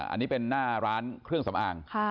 อันนี้เป็นหน้าร้านเครื่องสำอาง